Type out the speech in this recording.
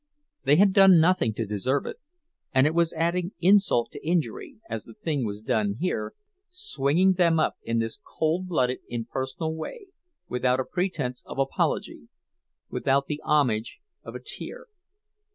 They had done nothing to deserve it; and it was adding insult to injury, as the thing was done here, swinging them up in this cold blooded, impersonal way, without a pretense of apology, without the homage of a tear.